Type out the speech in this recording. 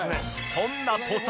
そんな土佐